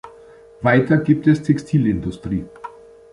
Weiter gibt es Textilindustrie.